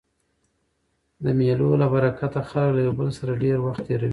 د مېلو له برکته خلک له یو بل سره ډېر وخت تېروي.